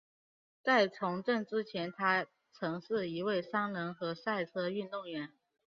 在从政之前他曾是一位商人和赛车运动员。